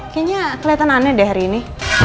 kayaknya kelihatan aneh deh hari ini